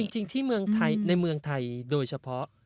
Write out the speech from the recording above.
จริงที่ในเมืองไทยโดยเฉพาะ